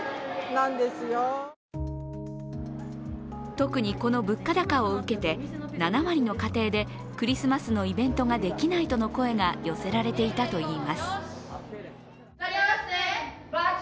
特に、この物価高を受けて７割の家庭でクリスマスのイベントができないとの声が寄せられていたといいます。